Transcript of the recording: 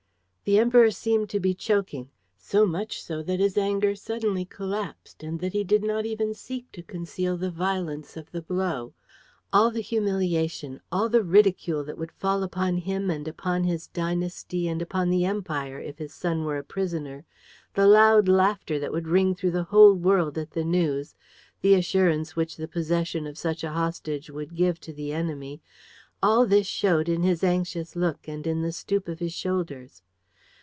The Emperor seemed to be choking, so much so that his anger suddenly collapsed and that he did not even seek to conceal the violence of the blow. All the humiliation, all the ridicule that would fall upon him and upon his dynasty and upon the empire if his son were a prisoner, the loud laughter that would ring through the whole world at the news, the assurance which the possession of such a hostage would give to the enemy; all this showed in his anxious look and in the stoop of his shoulders.